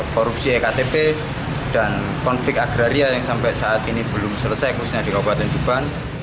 korupsi ektp dan konflik agraria yang sampai saat ini belum selesai khususnya di kabupaten tuban